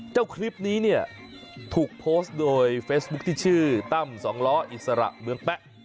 เจ้าคลิปนี้เนี่ยถูกโพสต์โดยเฟซบุ๊คที่ชื่อตั้มสองล้ออิสระเมืองแป๊ะ